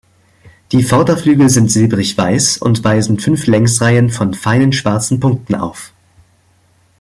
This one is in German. Die Vorderflügel sind silbrig weiß und weisen fünf Längsreihen von feinen schwarzen Punkten auf.